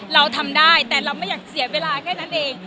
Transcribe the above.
เราทำได้แต่เราไม่อยากเสียเวลาแค่นั้นเอง